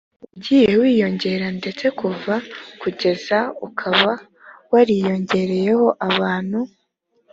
wagiye wiyongera ndetse kuva kugeza ukaba wariyongereho abantu